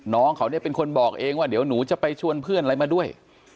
น้องเขาเนี่ยเป็นคนบอกเองว่าเดี๋ยวหนูจะไปชวนเพื่อนอะไรมาด้วย